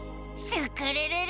スクるるる！」